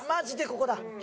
ここだ。